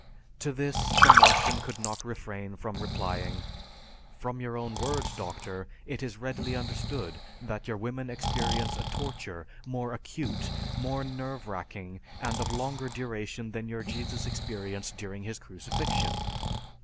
To this, the Martian could not refrain from replying, "From your own words, Doctor, it is readily understood that your women experience a torture more acute, more nerve wracking, and of longer duration than your Jesus experienced during his crucifixion.